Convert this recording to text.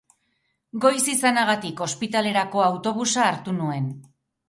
Goiz izanagatik ospitalerako autobusa hartu nuen.